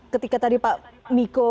ketika tadi pak miko